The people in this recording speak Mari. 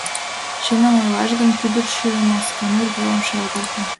— Чыным ойлаш гын, кӱдырчӧ Масканур велым шергылте.